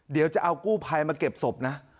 เดี๋ยวจะเอากู้ภัยมาเก็บศพนะ